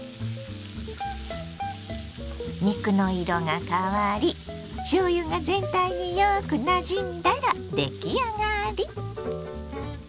肉の色が変わりしょうゆが全体によくなじんだら出来上がり。